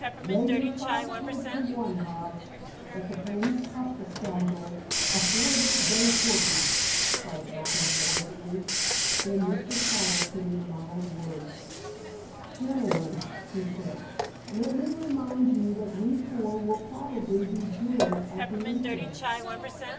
"Lay yer five quid to one, Hobbs, that the police cop the scoundrel afore this day fortnight," cried Elkin noisily. Then Mr. Siddle put in a mild word. "Gentlemen," he said, "let me remind you that we four will probably be jurors at the inquest."